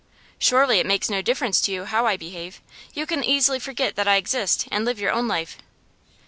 'Surely it makes no difference to you how I behave? You can easily forget that I exist, and live your own life.